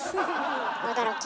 驚き。